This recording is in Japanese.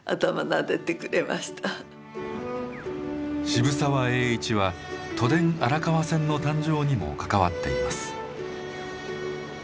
渋沢栄一は都電荒川線の誕生にも関わっています。